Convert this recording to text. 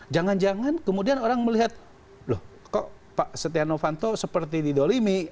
jangan jangan kemudian orang melihat loh kok pak setiano vanto seperti di dolimi